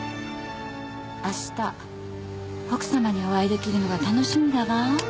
明日奥様にお会い出来るのが楽しみだわ。